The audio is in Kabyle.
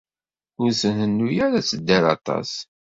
Ur trennu ara ad tedder aṭas.